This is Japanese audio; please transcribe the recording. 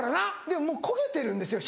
でももう焦げてるんですよ